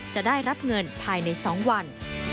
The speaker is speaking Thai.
จะได้รับเงินภายใน๒วัน